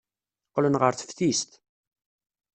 Qqlen ɣer teftist.